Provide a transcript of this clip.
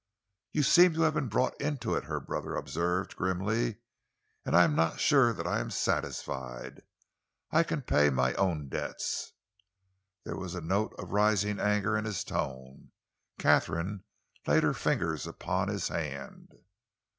"You seem to have been brought into it," her brother observed grimly, "and I'm not sure that I am satisfied. I can pay my own debts." There was a note of rising anger in his tone. Katharine laid her fingers upon his hand.